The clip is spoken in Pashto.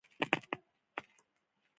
منډه د فکري قوت نښه ده